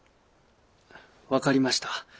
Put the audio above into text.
分かりました。